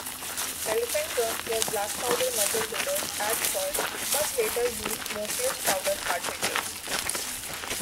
Elephant guns were black powder muzzle-loaders at first, but later used smokeless powder cartridges.